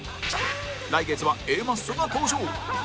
来月は Ａ マッソが登場